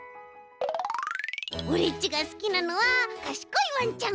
オレっちがすきなのはかしこいわんちゃん。